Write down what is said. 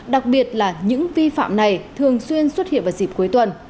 đặc biệt là những vi phạm này thường xuyên xuất hiện vào dịp cuối tuần